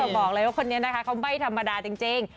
บอกเลยว่าคนนี้นะคะเขาไม่ธรรมดาจริง